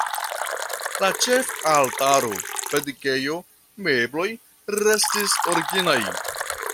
La ĉefaltaro, predikejo, mebloj restis originaj.